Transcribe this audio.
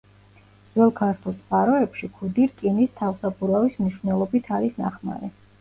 ძველ ქართულ წყაროებში ქუდი რკინის თავსაბურავის მნიშვნელობით არის ნახმარი.